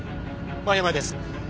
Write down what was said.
間山です。